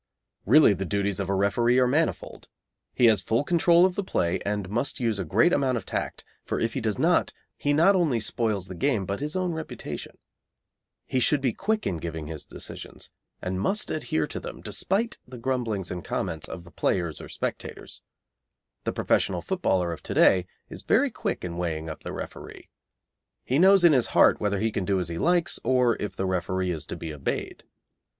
Really the duties of a referee are manifold. He has full control of the play, and must use a great amount of tact, for if he does not, he not only spoils the game but his own reputation. He should be quick in giving his decisions, and must adhere to them, despite the grumblings and comments of the players or spectators. The professional footballer of to day is very quick in weighing up the referee. He knows in his heart whether he can do as he likes or if the referee is to be obeyed.